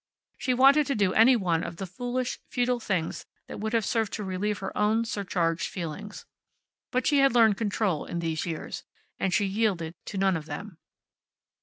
She wanted to do any one of the foolish, futile things that would have served to relieve her own surcharged feelings. But she had learned control in these years. And she yielded to none of them.